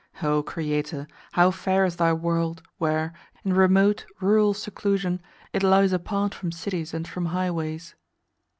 O Creator, how fair is Thy world where, in remote, rural seclusion, it lies apart from cities and from highways!